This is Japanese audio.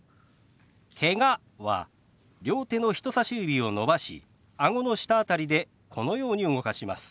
「けが」は両手の人さし指を伸ばしあごの下辺りでこのように動かします。